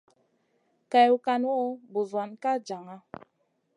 Kèwn kànu, buzuwan ka jaŋa.